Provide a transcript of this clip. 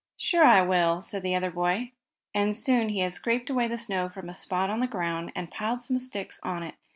"Sure, I will!" said the other boy, and soon he had scraped away the snow from a spot on the ground, and had piled some sticks on it.